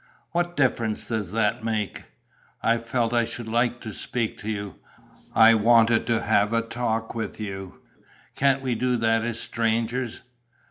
"What difference does that make?" "I felt I should like to speak to you.... I wanted to have a talk with you. Can't we do that as strangers?"